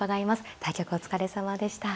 対局お疲れさまでした。